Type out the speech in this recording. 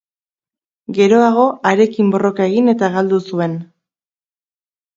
Geroago, harekin borroka egin eta galdu zuen.